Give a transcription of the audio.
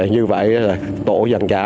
như vậy là tổ dàn trả